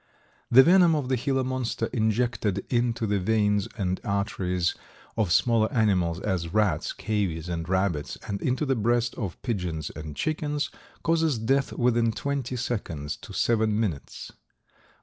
The venom of the Gila Monster injected into the veins and arteries of smaller animals as rats, cavies and rabbits and into the breast of pigeons and chickens, causes death within twenty seconds to seven minutes.